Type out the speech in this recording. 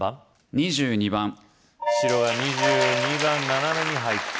２２番白が２２番斜めに入ってきた